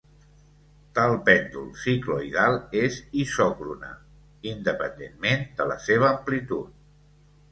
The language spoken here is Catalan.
Tal pèndol cicloïdal és isòcrona, independentment de la seva amplitud.